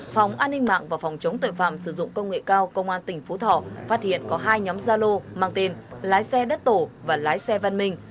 phòng an ninh mạng và phòng chống tội phạm sử dụng công nghệ cao công an tỉnh phú thọ phát hiện có hai nhóm gia lô mang tên lái xe đất tổ và lái xe văn minh